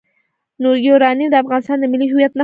یورانیم د افغانستان د ملي هویت نښه ده.